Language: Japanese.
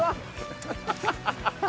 ハハハハハ！